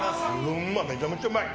いや、めちゃめちゃうまい。